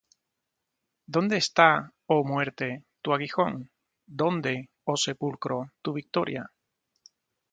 ¿Dónde está, oh muerte, tu aguijón? ¿dónde, oh sepulcro, tu victoria?